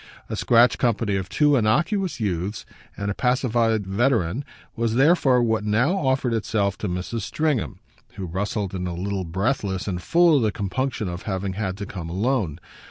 A scratch company of two innocuous youths and a pacified veteran was therefore what now offered itself to Mrs. Stringham, who rustled in a little breathless and full of the compunction of having had to come alone.